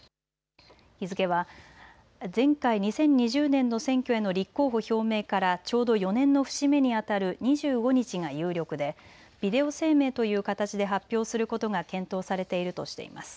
日付は前回２０２０年の選挙への立候補表明からちょうど４年の節目にあたる２５日が有力でビデオ声明という形で発表することが検討されているとしています。